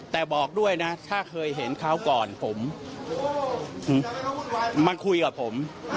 แต่บอกด้วยนะถ้าเคยเห็นคราวก่อนผมมาคุยกับผม